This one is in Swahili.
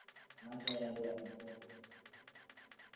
Macho yangu yamefungwa